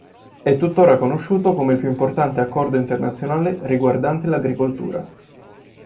È tuttora conosciuto come il più importante accordo internazionale riguardante l'agricoltura.